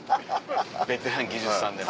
ベテラン技術さんでも。